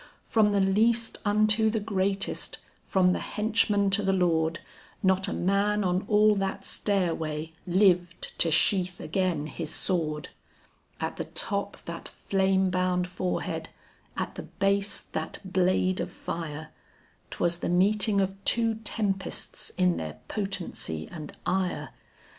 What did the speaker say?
From the least unto the greatest, from the henchman to the lord, Not a man on all that stairway lived to sheath again his sword. At the top that flame bound forehead, at the base that blade of fire 'Twas the meeting of two tempests in their potency and ire.